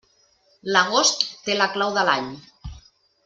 L'agost té la clau de l'any.